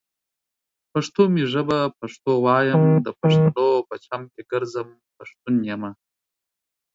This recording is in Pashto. پښتو می ژبه پښتو وايم، دا پښتنو په چم کې ګرځم ، پښتون يمه